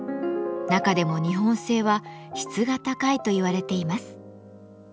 中でも日本製は質が高いといわれています。